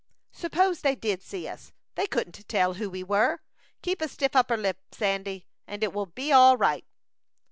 "Suppose they did see us; they couldn't tell who we were. Keep a stiff upper lip, Sandy, and it will be all right."